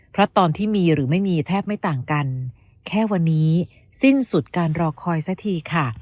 เพราะตอนที่มีหรือไม่มีแทบไม่ต่างกันแค่วันนี้สิ้นสุดการรอคอยสักทีค่ะ